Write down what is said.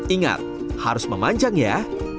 ingat harus memanjang ya